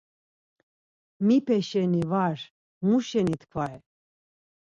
Mipe şeni var, muşeni tkvare.